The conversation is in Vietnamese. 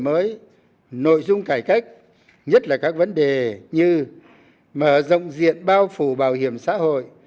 mới nội dung cải cách nhất là các vấn đề như mở rộng diện bao phủ bảo hiểm xã hội